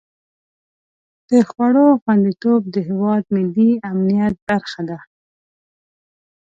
د خوړو خوندیتوب د هېواد ملي امنیت برخه ده.